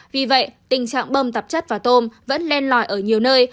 vì vậy tình trạng bơm tạp chất vào tôm vẫn len lòi ở nhiều nơi